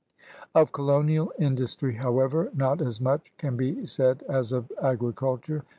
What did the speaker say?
Of colonial industry, however, not as much can be said as of agriculture.